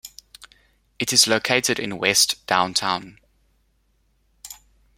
It is located in west downtown.